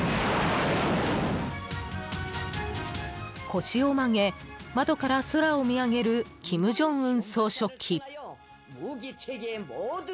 腰を曲げ窓から空を見上げる金正恩総書記。